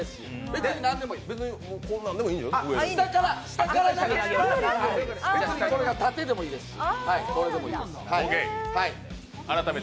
別に縦でもいいですし。